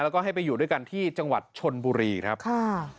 แล้วก็ให้ไปอยู่ด้วยกันที่จังหวัดชนบุรีครับค่ะ